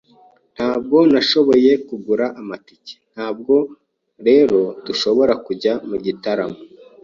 Ntabwo nashoboye kugura amatike, ntabwo rero dushobora kujya mu gitaramo.